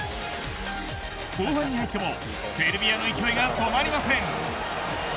後半に入ってもセルビアの勢いが止まりません。